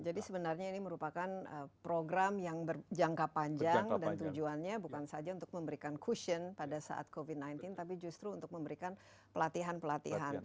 sebenarnya ini merupakan program yang berjangka panjang dan tujuannya bukan saja untuk memberikan kusion pada saat covid sembilan belas tapi justru untuk memberikan pelatihan pelatihan